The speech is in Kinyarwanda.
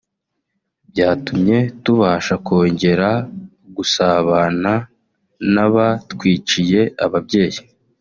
byatumye tubasha kongera gusabana n’abatwiciye ababyeyi